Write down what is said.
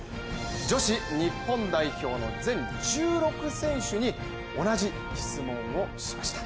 女子日本代表の全１６選手に同じ質問をしました。